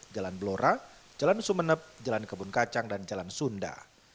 jalan blora jalan sumeneb jalan kebun kacang dan jalan sunda